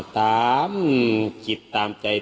ตามคิดตามใจ